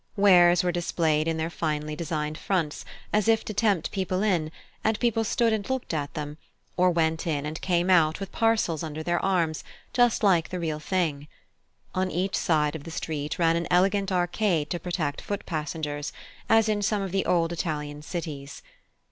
Wares were displayed in their finely designed fronts, as if to tempt people in, and people stood and looked at them, or went in and came out with parcels under their arms, just like the real thing. On each side of the street ran an elegant arcade to protect foot passengers, as in some of the old Italian cities.